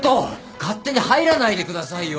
勝手に入らないでくださいよ！